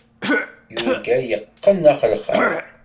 Yurga yeqqen axelxal.